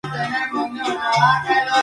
Tiene su sede en La Joya.